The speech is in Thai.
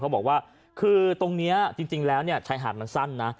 บอกว่าคือตรงนี้จริงแล้วเนี่ยชายหาดมันสั้นนะ